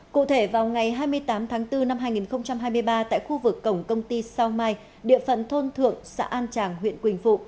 cụ thể vào ngày hai mươi tám tháng bốn năm hai nghìn hai mươi ba tại khu vực cổng công ty sao mai địa phận thôn thượng xã an tràng huyện quỳnh phụ